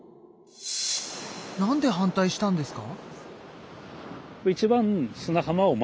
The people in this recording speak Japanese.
なんで反対したんですか？